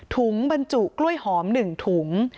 บรรจุกล้วยหอม๑ถุง